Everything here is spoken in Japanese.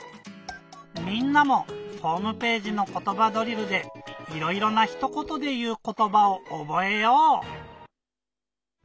みんなもホームページの「ことばドリル」でいろいろなひとことでいうことばをおぼえよう！